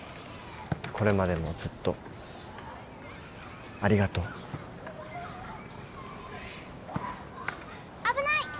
これまでもずっとありがとう・危ない！